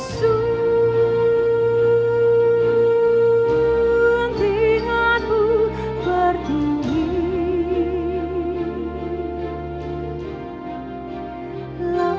sungguh ingat ku berdua